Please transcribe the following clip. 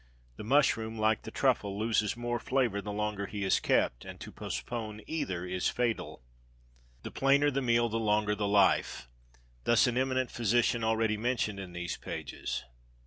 The mushroom, like the truffle, loses more flavour the longer he is kept; and to "postpone" either is fatal. "The plainer the meal the longer the life." Thus an eminent physician already mentioned in these pages.